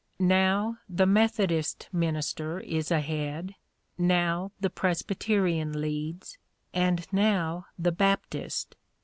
Now the Methodist minister is ahead; now the Presbyterian leads, and now the Baptist.